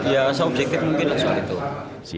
ya saya objektif mungkin soal itu